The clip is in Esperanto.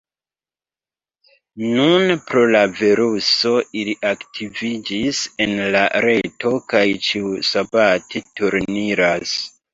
Nun pro la viruso ili aktiviĝis en la reto kaj ĉiusabate turniras.